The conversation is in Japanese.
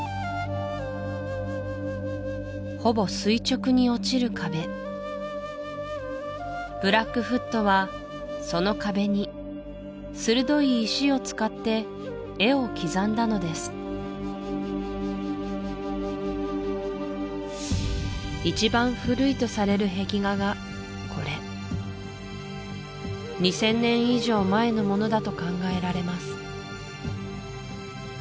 ほぼ垂直に落ちる壁ブラックフットはその壁に鋭い石を使って絵を刻んだのです一番古いとされる壁画がこれ２０００年以上前のものだと考えられます